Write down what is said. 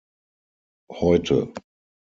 Heute.